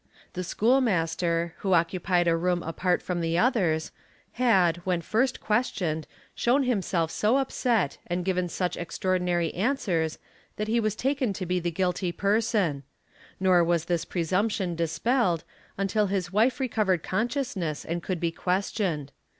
The school master, who occupied a room apart from the others, had when first questione || shown himself so upset and given such extraordinary answers that he ) was taken to be the guilty person; nor was this presumption dispelled | until his wife recovered consciousness and could be questioned.